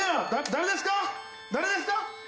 誰ですか？